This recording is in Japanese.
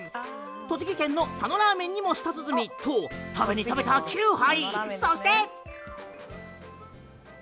栃木県の佐野ラーメンにも舌鼓と食べに食べた９杯。